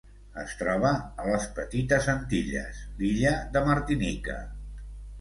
Es troba a les Petites Antilles: l'illa de Martinica.